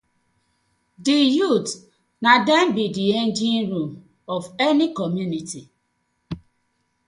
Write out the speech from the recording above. Di youths na dem bi di engine room of any community.